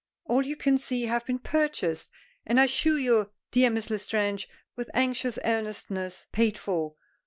All you can see have been purchased, and I assure you, dear Miss L'Estrange," with anxious earnestness, "paid for.